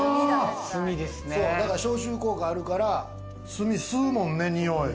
消臭効果あるから、炭吸うもんね、臭い。